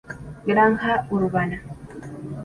Granja urbana